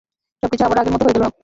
সব কিছুই আবারও আগে মতো হয়ে গেলো।